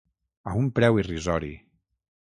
A un preu irrisori.